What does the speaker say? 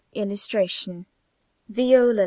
[Illustration: VIOLA.